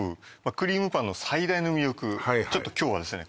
クリームパンの最大の魅力ちょっと今日はですね